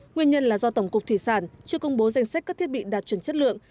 nguyên nhân là do tổng cục thủy sản chưa công bố danh sách các thiết bị đạt chuẩn chất lượng